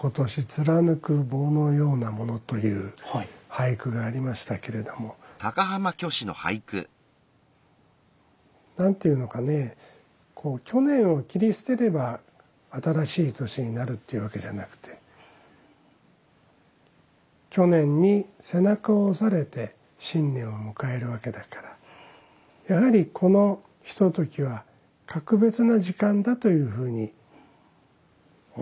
という俳句がありましたけれども何て言うのかねぇ去年を切り捨てれば新しい年になるっていうわけじゃなくて去年に背中を押されて新年を迎えるわけだからやはりこのひとときは格別な時間だというふうに思いますね。